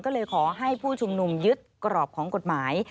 ก็เลยขอให้ผู้ชุมนุมยึดกรอบของกฎหมาย